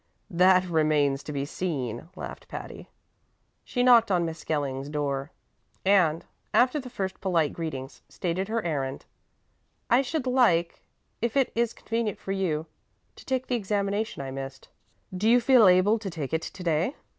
"That remains to be seen," laughed Patty. She knocked on Miss Skelling's door, and, after the first polite greetings, stated her errand: "I should like, if it is convenient for you, to take the examination I missed." "Do you feel able to take it to day?"